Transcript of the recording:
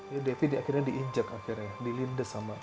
jadi devi akhirnya diinjak akhirnya dilindes sama